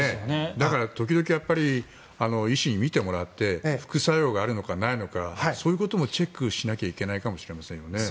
だから、時々医師に診てもらって副作用があるのかないのかもチェックしなきゃいけないかもしれませんね。